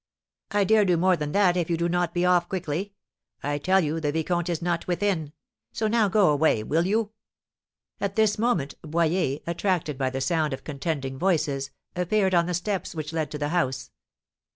"I dare do more than that if you do not be off quickly. I tell you the vicomte is not within; so now go away, will you?" At this moment Boyer, attracted by the sound of contending voices, appeared on the steps which led to the house.